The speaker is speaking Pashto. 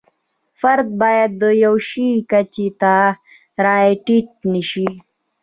فرد باید د یوه شي کچې ته را ټیټ نشي.